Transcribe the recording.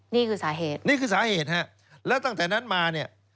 นี่คือสาเหตุนี่คือสาเหตุฮะแล้วตั้งแต่นั้นมาเนี่ย